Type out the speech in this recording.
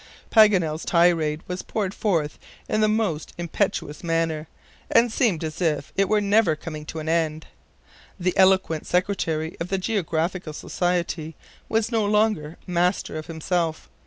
'" Paganel's tirade was poured forth in the most impetuous manner, and seemed as if it were never coming to an end. The eloquent secretary of the Geographical Society was no longer master of himself.